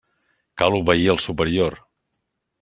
Cal obeir al superior.